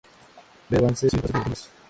Ver Avances y retrasos de válvulas.